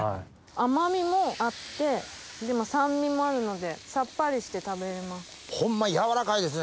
甘味もあってでも酸味もあるのでサッパリして食べれます。